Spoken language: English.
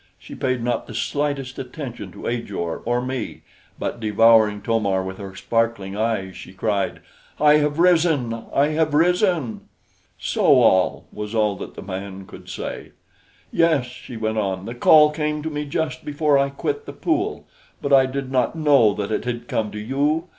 She paid not the slightest attention to Ajor or me; but devouring To mar with her sparkling eyes, she cried: "I have risen! I have risen!" "So al!" was all that the man could say. "Yes," she went on, "the call came to me just before I quit the pool; but I did not know that it had come to you.